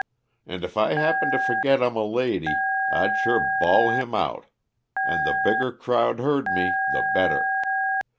And if I happened to forget I'm a lady, I'd sure bawl him out, and the bigger crowd heard me the better.